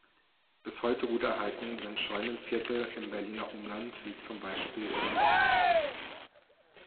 Bis heute gut erhalten sind Scheunenviertel im Berliner Umland, wie zum Beispiel in